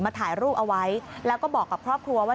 ถ่ายรูปเอาไว้แล้วก็บอกกับครอบครัวว่า